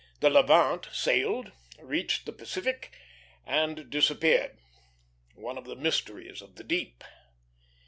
The Levant sailed, reached the Pacific, and disappeared one of the mysteries of the deep.